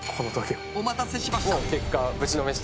お待たせしました。